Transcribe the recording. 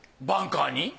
バンカーに？